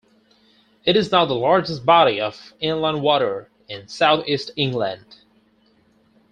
It is now the largest body of inland water in south east England.